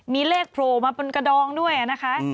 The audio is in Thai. มีเลขโผล่มาบนกระดองด้วยนะคะ